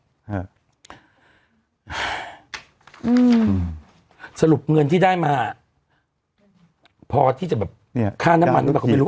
อืมสรุปเงินที่ได้มาพอที่จะแบบเนี้ยค่าน้ำมันหรือเปล่าก็ไม่รู้